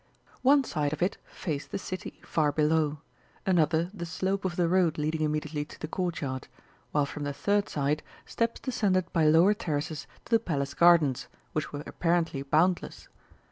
One side of it faced the City far below; another the slope of the road leading immediately to the Courtyard, while from the third side steps descended by lower terraces to the Palace Gardens, which were apparently boundless.